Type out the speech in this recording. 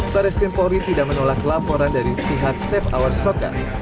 baris krim polri tidak menolak laporan dari pihak safe hour soccer